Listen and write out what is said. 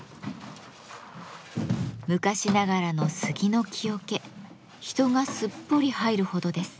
昔ながらの杉の木桶人がすっぽり入るほどです。